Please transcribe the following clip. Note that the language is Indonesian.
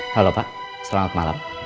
halo pak selamat malam